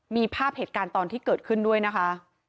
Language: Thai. มีภาพเหตุการณ์ตอนที่เกิดขึ้นด้วยนะคะ